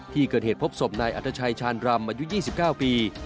ที่เกิดเหตุพบศพนายอัตชัยชาญรำอายุ๒๙ปี